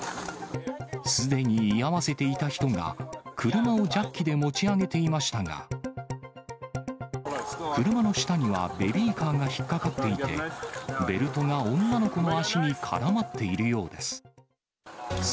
すでに居合わせていた人が、車をジャッキで持ち上げていましたが、車の下にはベビーカーが引っ掛かっていて、ベルトが女の子の足に絡まっているようです。